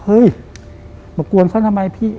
เฮ้ยมากวนเขาทำไมพี่